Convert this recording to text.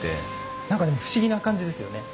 なんか不思議な感じですよね。